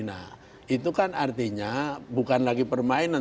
nah itu kan artinya bukan lagi permainan